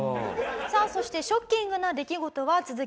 さあそしてショッキングな出来事は続きます。